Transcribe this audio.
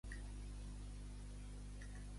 Quin familiar seu residia a Madrid?